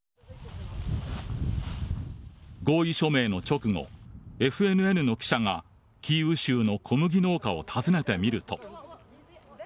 合意署名の直後ＦＮＮの記者がキーウ州の小麦農家を訪ねてみると。